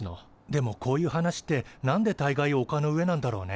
でもこういう話ってなんでたいがいおかの上なんだろうね。